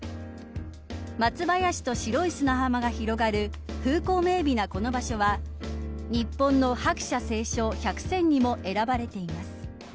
松林と白い砂浜が広がる風光明媚なこの場所は日本の白砂青松１００選にも選ばれています。